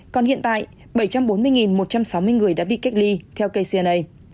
còn hiện tại bảy trăm bốn mươi một trăm sáu mươi người đã bị cách ly theo kcna